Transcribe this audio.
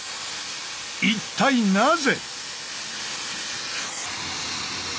一体なぜ？